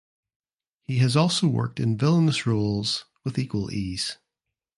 He has also worked in villainous roles with equal ease.